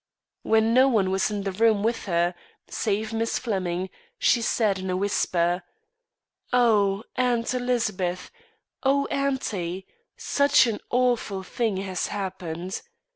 When no one was in the room with her, save Miss Flemming, she said in a whisper: "Oh, Aunt Elizabeth! Oh, auntie! such an awful thing has happened.